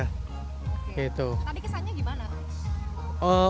tadi kesannya gimana